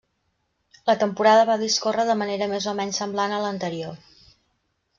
La temporada va discórrer de manera més o menys semblant a l'anterior.